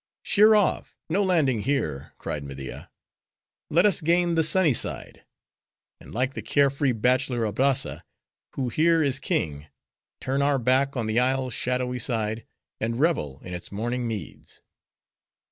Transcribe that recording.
"Sheer off! no landing here," cried Media, "let us gain the sunny side; and like the care free bachelor Abrazza, who here is king, turn our back on the isle's shadowy side, and revel in its morning meads."